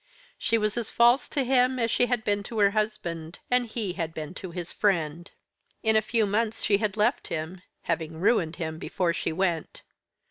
She was as false to him as she had been to her husband, and he had been to his friend. In a few months she had left him, having ruined him before she went.